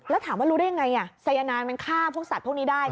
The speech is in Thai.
แล้วถามว่ารู้ได้ยังไงสายนายมันฆ่าพวกสัตว์พวกนี้ได้